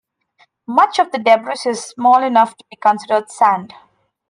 Much of the debris is small enough to be considered sand.